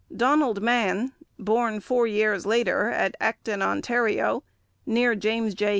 Donald Mann, born four years later at Acton, Ontario, near James J.